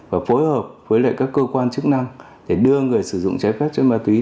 và phối hợp với các cơ quan chức năng để đưa người sử dụng trái phép trên ma túy